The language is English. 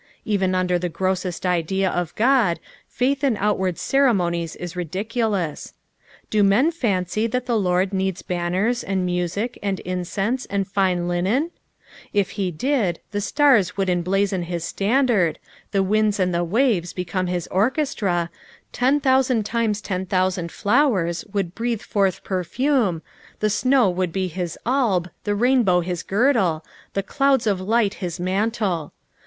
Even under the grossest idea of God, faith in outward ceremonies is ridiculous. Do men fancy that the Lord needs baonerH, and mnsic, Hod incense, and fine linen t If he did, the stars would emblazon bis standard, the winds and the waves become his orcbesCra, ten thousand times ten thousand flowers would breathe forth perfume, the snow should be hia alb, the rainbow his girdle, the clouds of light his mantle.